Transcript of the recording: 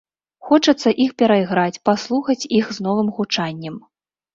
Хочацца іх перайграць, паслухаць іх з новым гучаннем.